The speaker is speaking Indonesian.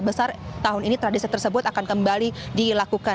besar tahun ini tradisi tersebut akan kembali dilakukan